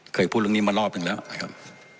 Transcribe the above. เคยพูดเรื่องนี้มารอบหนึ่งแล้วนะครับ